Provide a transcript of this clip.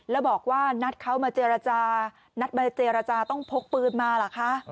แล้วบอกว่านัดเขามาเจรจานัดมาเจรจาต้องพกปืนมาเหรอคะ